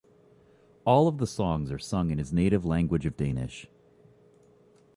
All of the songs are sung in his native language of Danish.